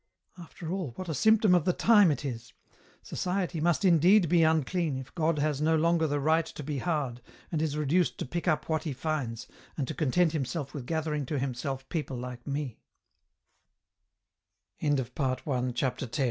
" After all, what a symptom of the time it is ! Society must indeed be unclean, if God has no longer the right to be hard, and is reduced to pick up what He finds, and to content Himself with gathering to Himself neople